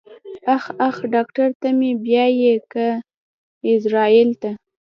اخ اخ ډاکټر ته مې بيايې که ايزرايل ته.